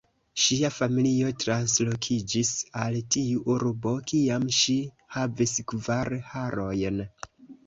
Ŝia familio translokiĝis al tiu urbo kiam ŝi havis kvar jarojn.